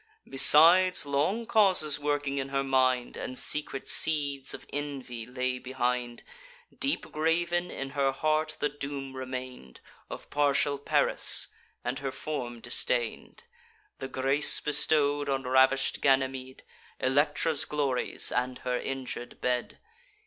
Besides, long causes working in her mind, And secret seeds of envy, lay behind; Deep graven in her heart the doom remain'd Of partial Paris, and her form disdain'd; The grace bestow'd on ravish'd Ganymed, Electra's glories, and her injur'd bed.